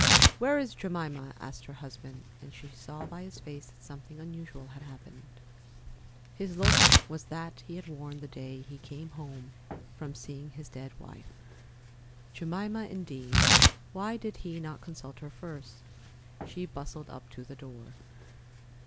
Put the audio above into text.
"Where is Jemima?" asked her husband, and she saw by his face that something unusual had happened. His look was that he had worn the day he came home from seeing his dead wife. Jemima indeed! Why did he not consult her first? She bustled up to the door.